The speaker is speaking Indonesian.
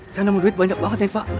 saya nemu duit banyak banget ya pak